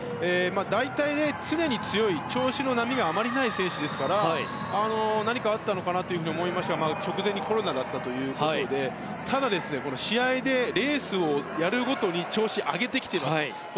大体、常に強い調子の波があまりない選手ですから何かあったのかなと思いましたが直前にコロナだったということでただ、試合でレースをやるごとに調子を上げてきています。